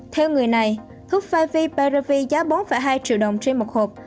theo người này thuốc năm v previv giá bốn hai triệu đồng trên một hộp